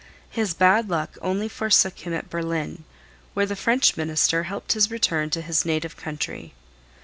His bad luck only forsook him at Berlin, where the French Minister helped his return to his native country.